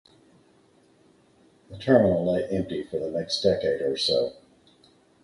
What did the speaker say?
The terminal lay empty for the next decade or so.